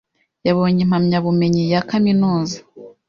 Yabonye impamyabumenyi ya kaminuza